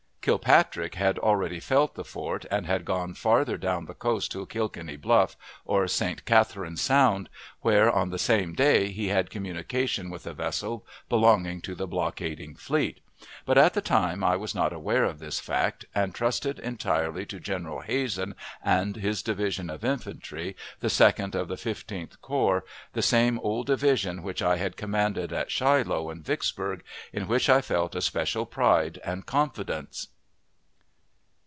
Kilpatrick had already felt the fort, and had gone farther down the coast to Kilkenny Bluff, or St. Catharine's Sound, where, on the same day, he had communication with a vessel belonging to the blockading fleet; but, at the time, I was not aware of this fact, and trusted entirely to General Hazen and his division of infantry, the Second of the Fifteenth Corps, the same old division which I had commanded at Shiloh and Vicksburg, in which I felt a special pride and confidence.